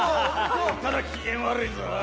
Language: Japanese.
まだ機嫌悪いぞ。